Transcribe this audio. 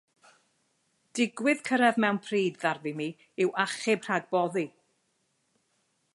Digwydd cyrraedd mewn pryd ddarfu mi i'w achub rhag boddi.